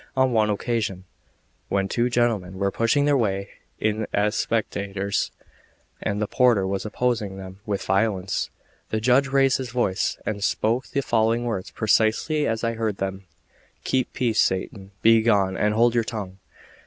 On one occasion, when two gentlemen were pushing their way in as spectators, and the porter was opposing them with violence, the judge raised his voice, and spoke the following words precisely as I heard them: "Keep peace, Satan, begone, and hold your tongue."